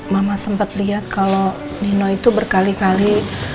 mama sempat lihat kalau nino itu berkali kali